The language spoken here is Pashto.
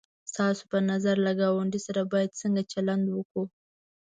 ستاسو په نظر له گاونډي سره باید څنگه چلند وکړو؟